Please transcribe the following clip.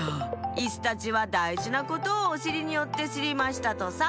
イスたちはだいじなことをおしりによってしりましたとさ」。